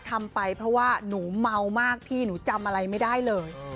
ทำไปเพราะว่าหนูเมามากพี่หนูจำอะไรไม่ได้เลย